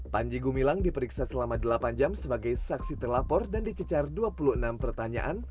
panji gumilang diperiksa selama delapan jam sebagai saksi terlapor dan dicecar dua puluh enam pertanyaan